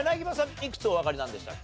いくつおわかりなんでしたっけ？